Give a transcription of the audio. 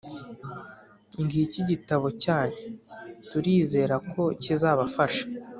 ngiki igitabo cyanyu! Turizera ko kizafasha.